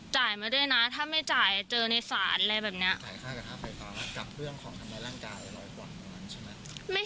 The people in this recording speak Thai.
จ่ายมาด้วยนะถ้าไม่จ่ายเจอในศาลอะไรแบบนี้